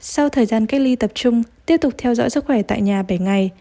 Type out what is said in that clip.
sau thời gian cách ly tập trung tiếp tục theo dõi sức khỏe tại nhà bảy ngày